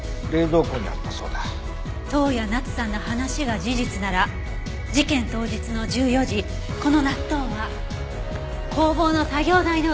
登矢奈津さんの話が事実なら事件当日の１４時この納豆は工房の作業台の上にあった。